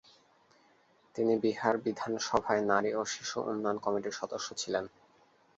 তিনি বিহার বিধানসভায় নারী ও শিশু উন্নয়ন কমিটির সদস্য ছিলেন।